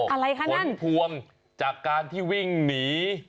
อะไรคะนั่นขนพวมจากการที่วิ่งหนี